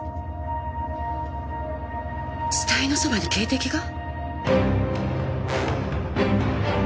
死体のそばに警笛が？